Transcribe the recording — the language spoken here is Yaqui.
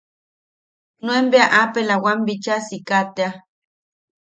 Nuen bea apela wam bicha siika tea.